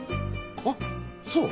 あっそう？